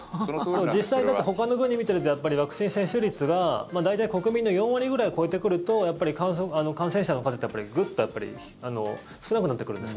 実際ほかの国を見ているとやっぱりワクチン接種率が大体、国民の４割ぐらいを超えてくると感染者の数ってグッて少なくなってくるんです。